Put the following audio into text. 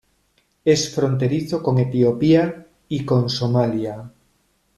Es fronterizo con Etiopía y con Somalia.